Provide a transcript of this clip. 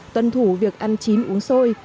tuân thủ việc ăn chín uống sôi